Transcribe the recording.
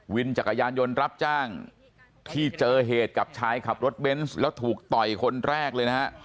วินจักรยานยนต์รับจ้างที่เจอเหตุกับชายขับรถเบนส์แล้วถูกต่อยคนแรกเลยนะฮะ